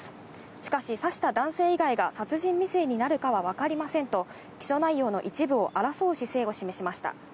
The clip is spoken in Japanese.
しかし刺した男性以外が殺人未遂になるかはわかりませんと、起訴内容の一部を争う姿勢を示しました。